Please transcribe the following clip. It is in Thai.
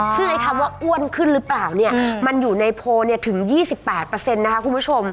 ซึ่งไอ้คำว่าอ้วนขึ้นหรือเปล่าเนี่ยมันอยู่ในโพลถึง๒๘นะคะคุณผู้ชม